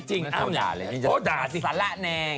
สละเนง